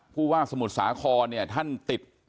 ผู้ว่าสมุทรสาครเนี่ยท่านติด